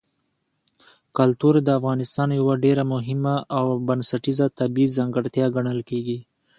کلتور د افغانستان یوه ډېره مهمه او بنسټیزه طبیعي ځانګړتیا ګڼل کېږي.